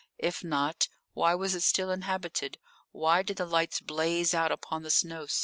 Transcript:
If not, why was it still inhabited? Why did the lights blaze out upon the snow so late?